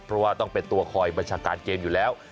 เพราะว่าต้องเป็นตัวคอยบัญชาการเกมอยู่แล้ว